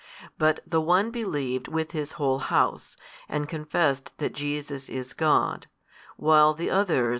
But the one believed with his whole house, and confessed that Jesus is God, while the others.